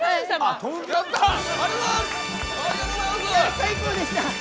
最高でした。